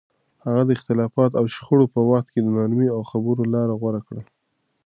هغه د اختلاف او شخړو په وخت د نرمۍ او خبرو لار غوره کړه.